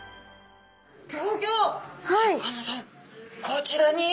こちらに。